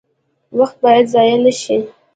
وخت باید ضایع نشي